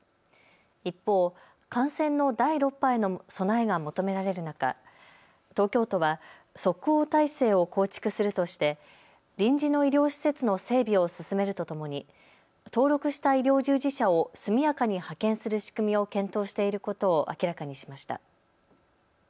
一方、感染の第６波への備えが求められる中、東京都は即応体制を構築するとして臨時の医療施設の整備を進めるとともに登録した医療従事者を速やかに派遣する仕組みを検討していることを明らかにしました。